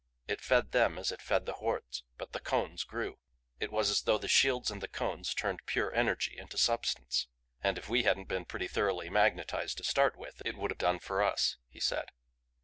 It fed them as it fed the Hordes but the Cones grew. It was as though the shields and the Cones turned pure energy into substance." "And if we hadn't been pretty thoroughly magnetized to start with it would have done for us," he said.